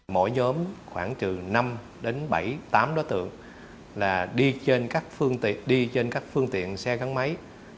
mỗi nhóm khoảng trừ năm đến bảy tám đối tượng đi trên các phương tiện xe gắn máy